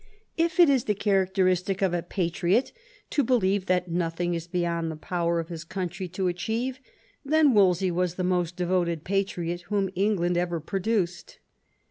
If it is the characteristic of a patriot to believe that nothing is beyond the power of his country to achieve, then Wolsey was the most devoted patriot whom England ever produced.